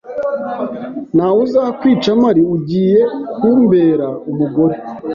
ntawuzakwica mpari ugiye kumbera umugore